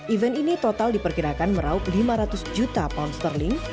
event ini total diperkirakan meraup lima ratus juta pound sterling